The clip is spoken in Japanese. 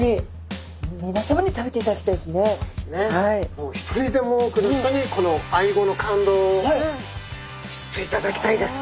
もう一人でも多くの人にこのアイゴの感動を知っていただきたいです。